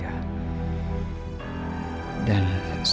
ites kita bisa berima kasih saja